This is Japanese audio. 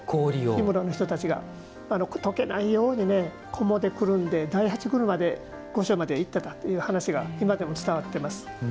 氷室の人たちが。とけないようにこもでくるんで、大八車で御所まで行ってたという話が今でも伝わっています。